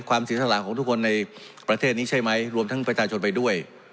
เสียสละของทุกคนในประเทศนี้ใช่ไหมรวมทั้งประชาชนไปด้วย